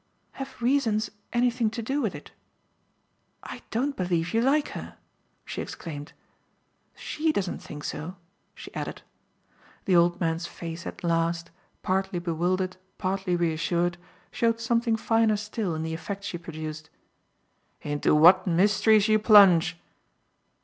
"Have reasons anything to do with it? I don't believe you like her!" she exclaimed. "SHE doesn't think so," she added. The old man's face at last, partly bewildered, partly reassured, showed something finer still in the effect she produced. "Into what mysteries you plunge!"